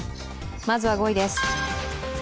まずは５位です。